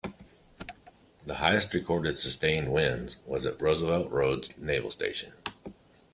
The highest recorded sustained winds was at Roosevelt Roads Naval Station.